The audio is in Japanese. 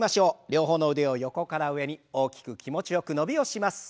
両方の腕を横から上に大きく気持ちよく伸びをします。